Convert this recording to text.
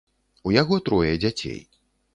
У яго трое дзяцей.